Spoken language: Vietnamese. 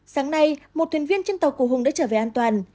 sáng nay một thuyền viên trên tàu của hùng đã trở về an toàn